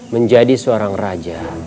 menjadi seorang raja atau pemimpin